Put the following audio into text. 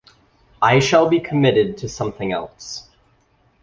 I shall be committed to something else.